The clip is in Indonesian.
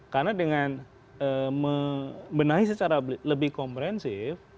karena dengan dibenahi secara lebih komprensif